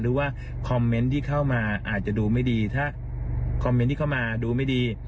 หรือว่าคอมเมนต์ที่เข้ามาอาจจะดูไม่ดีถ้าคอมเมนต์ที่เข้ามาดูไม่ดี